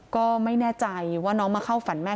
ก็ไม่แน่ใจว่าน้องมาเข้าฝันแม่